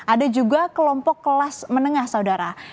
ada juga kelompok kelas menengah saudara